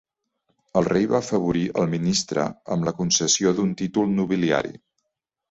El rei va afavorir el ministre amb la concessió d'un títol nobiliari.